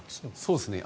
そうですね。